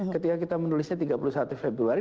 ketika kita menulisnya tiga puluh satu februari